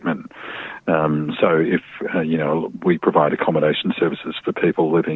dan perkhidmatan itu bebas dari pembayaran